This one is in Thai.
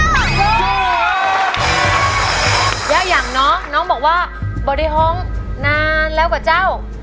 ยากอย่างน้ำน้องน้องบอกว่าเบาดีห้องนานแล้วก็เจ้า